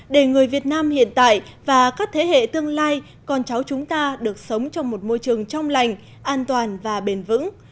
để người việt nam hiện tại và các thế hệ tương lai con cháu chúng ta được sống trong một môi trường trong lành an toàn và bền vững